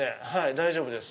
大丈夫です。